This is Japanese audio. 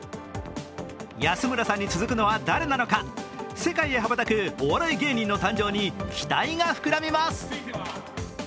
安村さんに続くのは誰なのか世界へ羽ばたくお笑い芸人の誕生に期待が膨らみます。